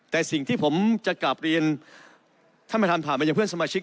แต่สิ่งที่ผมจะกลับเรียนท่านประธานผ่านมายังเพื่อนสมาชิก